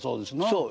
そう。